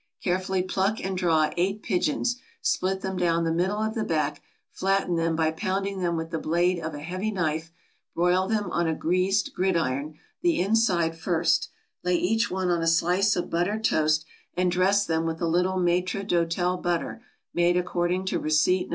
= Carefully pluck and draw eight pigeons, split them down the middle of the back, flatten them by pounding them with the blade of a heavy knife, broil them on a greased gridiron, the inside first; lay each one on a slice of buttered toast, and dress them with a little maître d'hotel butter, made according to receipt No.